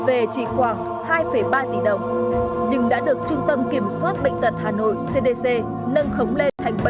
về chỉ khoảng hai ba tỷ đồng nhưng đã được trung tâm kiểm soát bệnh tật hà nội cdc nâng khống lên thành bảy